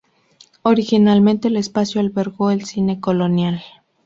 Originalmente el espacio albergó el Cine Colonial.